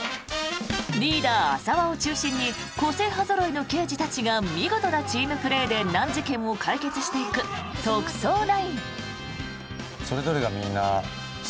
リーダー・浅輪を中心に個性派ぞろいの刑事たちが見事なチームプレーで難事件を解決していく「特捜９」。